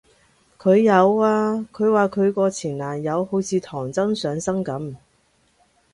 佢有啊，佢話佢個前男友好似唐僧上身噉